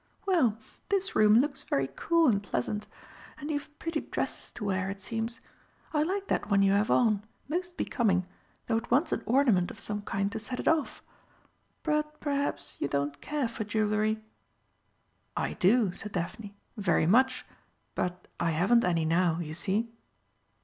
"Well, this room looks very cool and pleasant. And you've pretty dresses to wear, it seems. I like that one you have on most becoming, though it wants an ornament of some kind to set it off. But perhaps you don't care for jewellery?" "I do," said Daphne, "very much. But I haven't any now, you see."